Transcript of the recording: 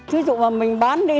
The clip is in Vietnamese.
ví dụ mà mình bán đi